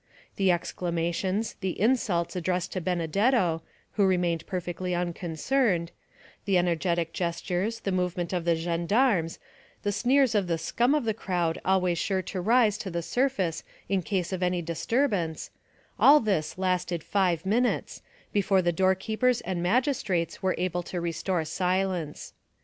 The exclamations, the insults addressed to Benedetto, who remained perfectly unconcerned, the energetic gestures, the movement of the gendarmes, the sneers of the scum of the crowd always sure to rise to the surface in case of any disturbance—all this lasted five minutes, before the door keepers and magistrates were able to restore silence.